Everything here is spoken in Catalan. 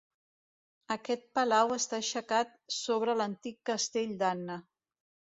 Aquest palau està aixecat sobre l'antic castell d'Anna.